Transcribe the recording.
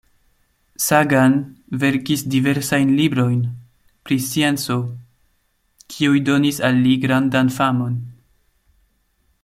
Sagan verkis diversajn librojn, pri scienco, kiuj donis al li grandan famon.